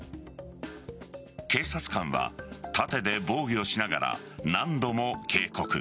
警察官は盾で防御しながら何度も警告。